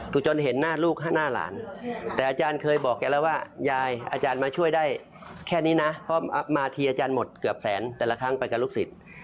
เกือบแสนแต่ละครั้งไปกับลูกศิษย์